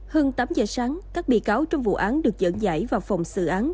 hơn tám giờ sáng các bị cáo trong vụ án được dẫn giải vào phòng xử án